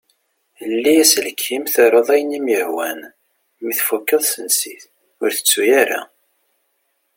Lli aselkim taruḍ ayen i m-ihwan. Mi tfukeḍ sens-it. Ur tettu ara!